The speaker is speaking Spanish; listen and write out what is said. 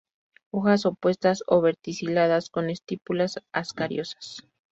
Hojas opuestas o verticiladas con estípulas escariosas.